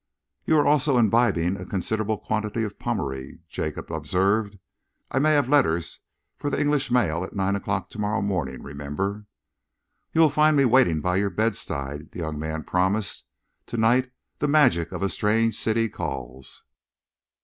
"You are also imbibing a considerable quantity of Pommery," Jacob observed. "I may have letters for the English mail at nine o'clock to morrow morning, remember." "You will find me waiting by your bedside," the young man promised. "To night the magic of a strange city calls."